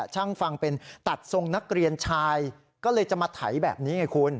ช่างฟังเป็นตัดทรงนักเรียนชายก็เลยจะมาไถแบบนี้ไงคุณ